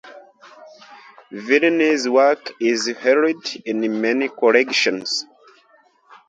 Virine’s work is held in many collections.